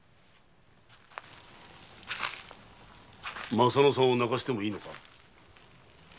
まさ乃さんを泣かせてもいいのか？